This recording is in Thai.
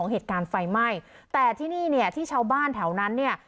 เหตุการณ์ไฟไหม้แต่ที่นี่เนี่ยที่ชาวบ้านแถวนั้นเนี่ย